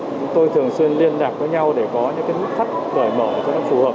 thì tôi thường xuyên liên lạc với nhau để có những lúc khách gửi mở cho nó phù hợp